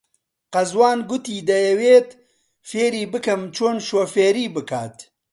قەزوان گوتی دەیەوێت فێری بکەم چۆن شۆفێری بکات.